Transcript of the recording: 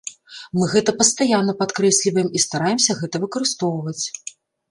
Мы гэта пастаянна падкрэсліваем і стараемся гэта выкарыстоўваць.